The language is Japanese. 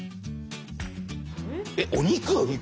えっお肉？